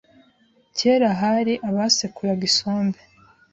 kera hari abasekuraga isombe